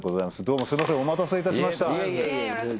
どうもお待たせいたしました。